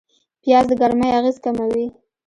پیاز د ګرمۍ اغېز کموي